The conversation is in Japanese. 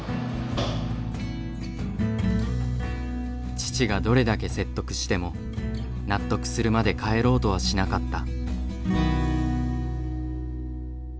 父がどれだけ説得しても納得するまで帰ろうとはしなかった。